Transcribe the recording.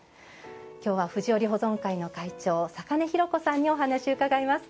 きょうは藤織り保存会の会長坂根博子さんにお話を伺います。